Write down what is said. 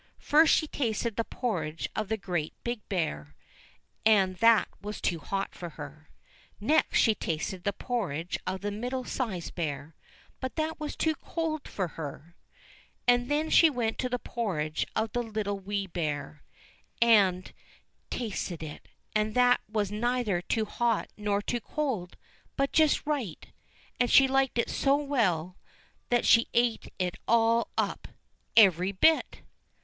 First she tasted the porridge of the Great Big Bear, and that was too hot for her. Next she tasted the porridge of the Middle sized Bear, but that was too cold for her. And then she went to the porridge of the Little Wee Bear, and tasted it, and that was neither too hot nor too cold, but just right, and she liked it so well, that she ate it all up, every bit